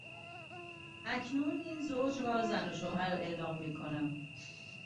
اکنون این زوج را زن و شوهر اعلام میکنم.